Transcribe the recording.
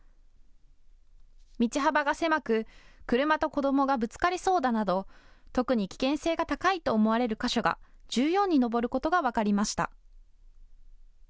道幅が狭く、車と子どもがぶつかりそうだなど特に危険性が高いと思われる箇所が１４に上ることが分かりました。